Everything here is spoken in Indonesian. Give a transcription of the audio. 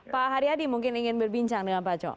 pak haryadi mungkin ingin berbincang dengan pak co